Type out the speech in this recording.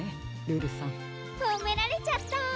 ルルさん。ほめられちゃった！